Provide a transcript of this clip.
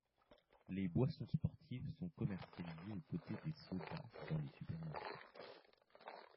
Les boissons sportives sont commercialisées aux côtés des sodas dans les supermarchés.